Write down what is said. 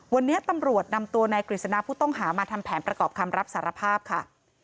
วันนี้ตำรวจนำตัวนายกฤษณะผู้ต้องหามาทำแผนประกอบคำรับสารภาพค่ะ